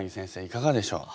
いかがでしょう？